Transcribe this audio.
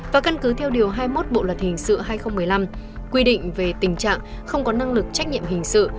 và căn cứ theo điều hai mươi một bộ luật hình sự hai nghìn một mươi năm quy định về tình trạng không có năng lực trách nhiệm hình sự